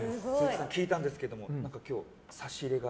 聞いたんですけども今日は差し入れが。